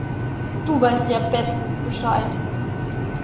Du weißt ja bestens Bescheid.